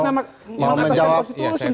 saya mau menjawab